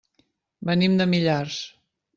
Venim de Millars.